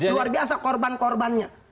luar biasa korban korbannya